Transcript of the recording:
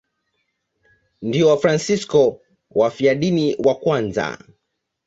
Ndio Wafransisko wafiadini wa kwanza.